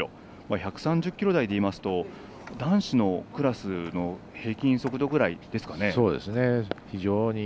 １３０キロ台でいいますと男子のクラスの平均速度ぐらいですかね。